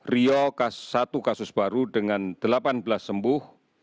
rio satu kasus baru dengan delapan belas sembuh